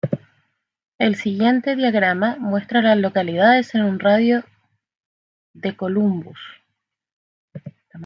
El siguiente diagrama muestra a las localidades en un radio de de Columbus.